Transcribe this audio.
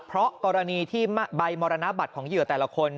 เพราะกรณีที่ใบมรณบัตรของเหยื่อแต่ละคน